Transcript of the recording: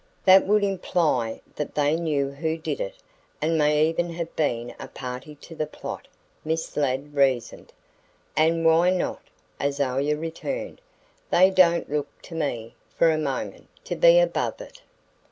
"That would imply that they knew who did it and may even have been a party to the plot," Miss Ladd reasoned. "And why not?" Azalia returned. "They don't look to me, for a moment, to be above it."